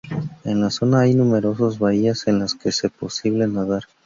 En la zona hay numerosas bahías en las que es posible nadar.